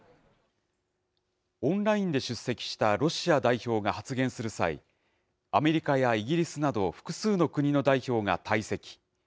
オンラインで出席したロシア代表が発言する際、アメリカやイギリスなど、複数の国の代表が退席。